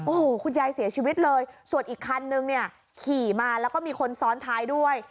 โอ้โหคุณยายเสียชีวิตเลยส่วนอีกคันนึงเนี่ยขี่มาแล้วก็มีคนซ้อนท้ายด้วย